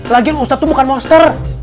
lagian monster tuh bukan monster